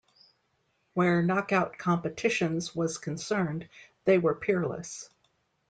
Where knock-out competitions was concerned, they were peerless.